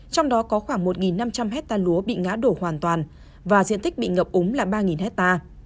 trong đó có khoảng một năm trăm linh hectare lúa bị ngã đổ hoàn toàn và diện tích bị ngập úng là ba hectare